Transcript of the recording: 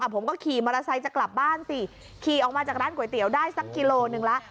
ผมก็ขี่มอเตอร์ไซค์จะกลับบ้านสิขี่ออกมาจากร้านก๋วยเตี๋ยวได้สักกิโลหนึ่งแล้ว